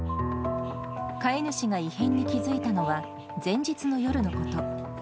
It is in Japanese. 飼い主が異変に気付いたのは、前日の夜のこと。